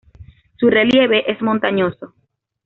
Su relieve es montañoso.